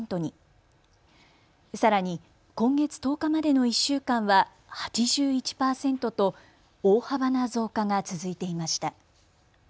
さらに今月１０日までの１週間は８１％と大幅な増加が続いていました。